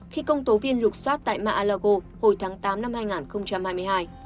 khi công tố viên lục soát tại mar a lago hồi tháng tám năm hai nghìn hai mươi hai